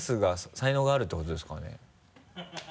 才能があるってことですかね？